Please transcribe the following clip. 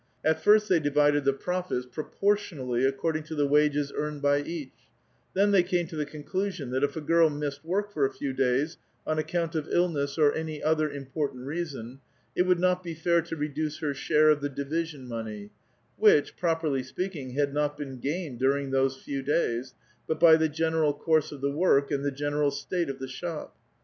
At first they divided the profits propor tionally according to the wages earned by each ; then they oame to the conclusion that if a girl missed work for a few clays on account of illness or any other important reason, it 'Would not be fair to reduce her share of tlie division money, 'Which, properly speaking, had not been gained during those few days, but by the general course of the work and the gen eral state of the shop.